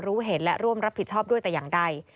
รู้เห็นและร่วมรับผิดชอบด้วยแต่อย่างใด